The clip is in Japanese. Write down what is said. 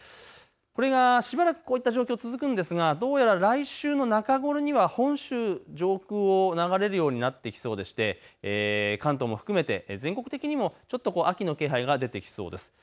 これがしばらくこういった状況が続くんですがどうやら来週の中頃には本州上空を流れるようになってきそうでして関東も含めて全国的にもちょっと秋の気配が出てきそうです。